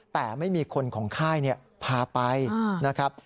แต่ไม่มีคนของข้ายเนี่ยพาไปนะครับ